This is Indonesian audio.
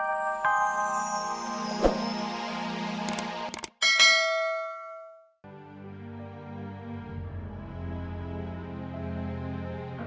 sekarang ke tempat istirahat ya